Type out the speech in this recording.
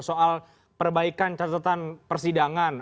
soal perbaikan catatan persidangan